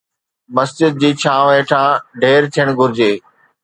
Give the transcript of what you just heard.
مسجد جي ڇانوَ هيٺان ڍير ٿيڻ گهرجي